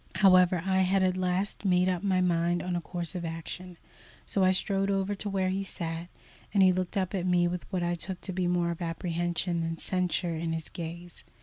However, I had at last made up my mind on a course of action, so I strode over to where he sat, and he looked up at me with what I took to be more of apprehension than censure in his gaze.